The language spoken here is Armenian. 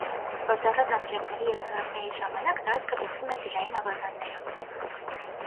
Հորդառատ անձրևների և հեղեղների ժամանակ տարածքը լցվում է ջրային ավազաններով։